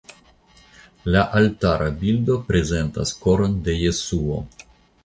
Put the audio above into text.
La altara bildo prezentas Koron de Jesuo.